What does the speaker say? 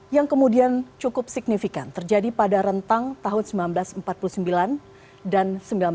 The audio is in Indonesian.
yang kemudian cukup signifikan terjadi pada rentang tahun seribu sembilan ratus empat puluh sembilan dan seribu sembilan ratus sembilan puluh